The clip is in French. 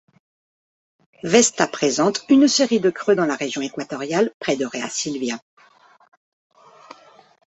Vesta présente une série de creux dans la région équatoriale près de Rheasilvia.